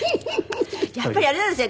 やっぱりあれなんですね。